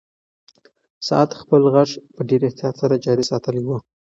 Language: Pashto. ساعت خپل غږ په ډېر احتیاط سره جاري ساتلی و.